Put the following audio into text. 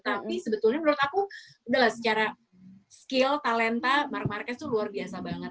tapi sebetulnya menurut aku udah lah secara skill talenta mark marquez itu luar biasa banget